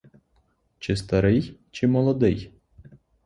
Чи старий, чи молодий?